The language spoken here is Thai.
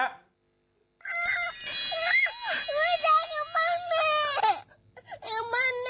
อยากจะกลับมาใหม่